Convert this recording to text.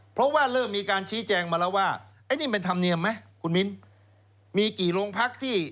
เพราะว่าเริ่มมีการชี้แจงมาแล้วว่าไอ้นี่เป็นธรรมเนียมไหมคุณมิ้นมีกี่โรงพักที่